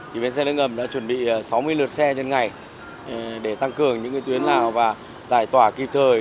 thì bến xe nước ngầm đã chuẩn bị sáu mươi lượt xe trên ngày để tăng cường những tuyến nào và giải tỏa kịp thời